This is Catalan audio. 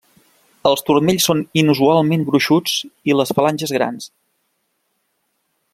Els turmells són inusualment gruixuts i les falanges grans.